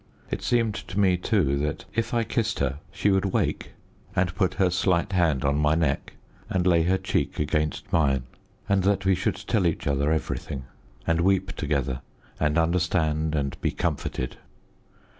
It seemed to me, too, that if I kissed her she would wake, and put her slight hand on my neck, and lay her cheek against mine and that we should tell each other everything, and weep together, and understand and be comforted.